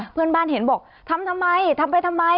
เพื่อนบ้านเห็นบอกทำทำไมทำไปทำไม